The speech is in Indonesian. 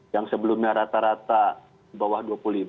yang sebelumnya rata rata bawah dua puluh lima